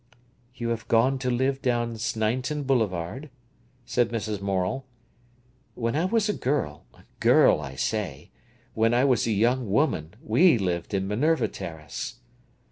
"You have gone to live down Sneinton Boulevard?" said Mrs. Morel. "When I was a girl—girl, I say!—when I was a young woman we lived in Minerva Terrace."